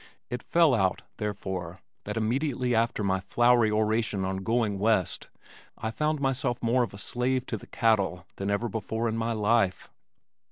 It fell out, therefore, that immediately after my flowery oration on Going West I found myself more of a slave to the cattle than ever before in my life.